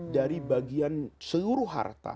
dari bagian seluruh harta